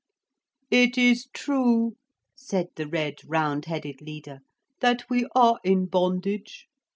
'It is true,' said the red round headed leader, 'that we are in bondage.